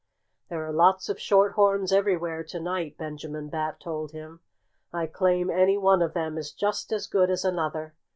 "There are lots of Short horns everywhere to night," Benjamin Bat told him. "I claim any one of them is just as good as another."